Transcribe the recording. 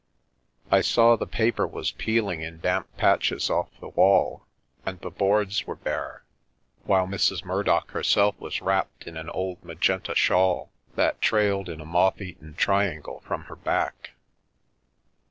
I saw the paper was peeling in damp patches off the walls, and the boards were bare, while Mrs. Murdock herself was wrapped in an old magenta shawl, that trailed in a moth eaten triangle from her back.